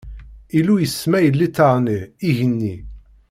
Illu isemma i litteɛ-nni: igenni.